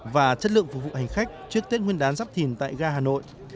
và chất lượng phục vụ hành khách trước tết nguyên đán giáp thìn tại ga hà nội